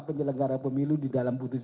penyelenggara pemilu di dalam putusan